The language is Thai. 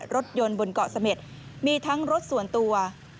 รถยนต์บนเกาะเสม็ดมีทั้งรถส่วนตัว